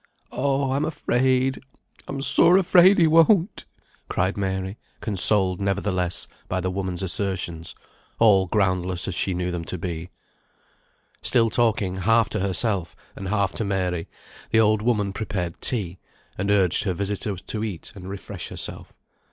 "Oh! I'm afraid! I'm sore afraid he won't," cried Mary, consoled, nevertheless, by the woman's assertions, all groundless as she knew them to be. Still talking half to herself and half to Mary, the old woman prepared tea, and urged her visitor to eat and refresh herself.